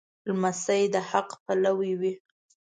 لمسی د حق پلوی وي.